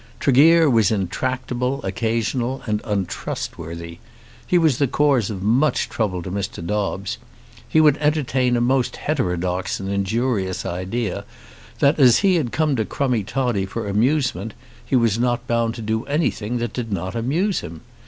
Tregear was intractable, occasional, and untrustworthy. He was the cause of much trouble to Mr. Dobbes. He would entertain a most heterodox and injurious idea that, as he had come to Crummie Toddie for amusement, he was not bound to do anything that did not amuse him.